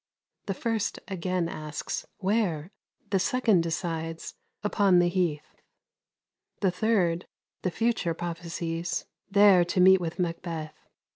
The first again asks, 'Where?' The second decides: 'Upon the heath.' The third, the future prophesies: 'There to meet with Macbeth.'"